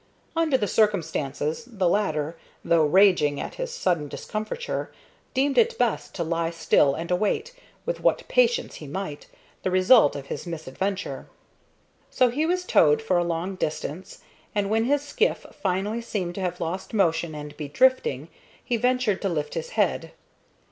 Under the circumstances the latter, though raging at his sudden discomfiture, deemed it best to lie still and await, with what patience he might, the result of his misadventure. So he was towed for a long distance, and when his skiff finally seemed to have lost motion and be drifting, he ventured to lift his head.